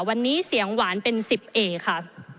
วันนี้เสียงหวานเป็น๑๐เอกค่ะ